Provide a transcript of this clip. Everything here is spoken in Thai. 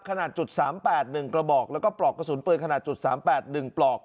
ขนาดจุดสามแปดหนึ่งกระบอกแล้วก็ปลอกกระสุนปืนขนาดจุดสามแปดหนึ่งปลอก